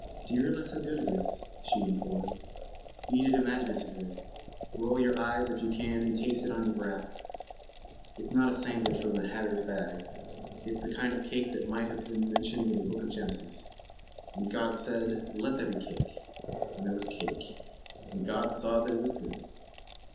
"Do realize how good it is," she implored. "Eat it imaginatively. Roll your eyes if you can and taste it on the breath. It's not a sandwich from the hatter's bag—it's the kind of cake that might have been mentioned in the Book of Genesis. ... And God said: 'Let there be cake. And there was cake. And God saw that it was good.